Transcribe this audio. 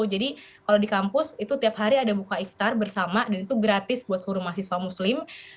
jadi kalau di kampus itu tiap hari ada buka iftar bersama dan itu gratis buat seluruh mahasiswa muslim